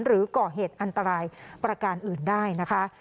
หรือก่อเหตุอันตรายประการอื่นได้นะคะ